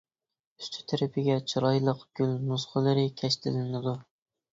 ئۈستى تەرىپىگە چىرايلىق گۈل نۇسخىلىرى كەشتىلىنىدۇ.